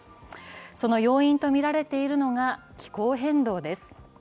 その要因とみられているのが気候変動です。